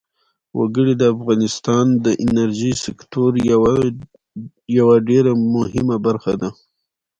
وګړي د افغانستان د انرژۍ سکتور یوه ډېره مهمه برخه ده.